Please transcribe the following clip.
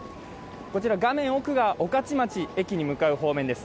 画面奥が御徒町駅へ向かう方面です。